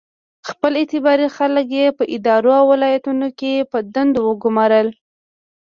خپل اعتباري خلک یې په ادارو او ولایتونو کې په دندو وګومارل.